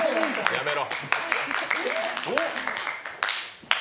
やめろ！